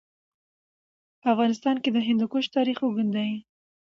په افغانستان کې د هندوکش تاریخ اوږد دی.